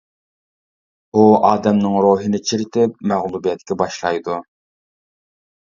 ئۇ ئادەمنىڭ روھىنى چىرىتىپ، مەغلۇبىيەتكە باشلايدۇ.